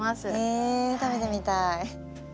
へえ食べてみたい。